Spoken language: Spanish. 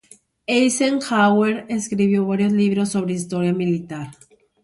Eisenhower escribió varios libros sobre historia militar.